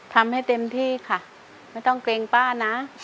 ทำให้เต็มที่ค่ะไม่ต้องเกรงป้านะ